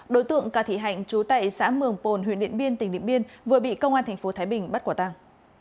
đối tượng cà thị hạnh trú tại xã mường pồn huyện điện biên tỉnh điện biên vừa bị công an tp thái bình bắt quả tăng